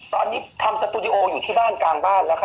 ตอนนี้ทำสตูดิโออยู่ที่บ้านกลางบ้านแล้วครับ